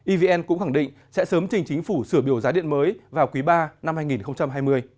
evn cũng khẳng định sẽ sớm trình chính phủ sửa biểu giá điện mới vào quý ba năm hai nghìn hai mươi